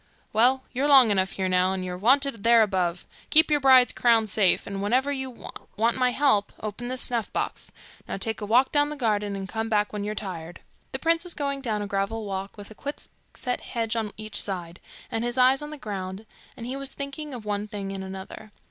'Well, you're long enough here now, and you're wanted there above. Keep your bride's crowns safe, and whenever you want my help, open this snuff box. Now take a walk down the garden, and come back when you're tired.' The prince was going down a gravel walk with a quickset hedge on each side, and his eyes on the ground, and he was thinking of one thing and another.